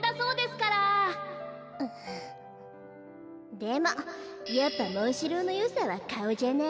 でもやっぱモンシローのよさはかおじゃない？